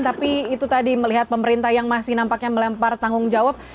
tapi itu tadi melihat pemerintah yang masih nampaknya melempar tanggung jawab